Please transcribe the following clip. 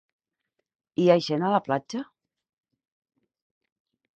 Hi ha gent a la platja?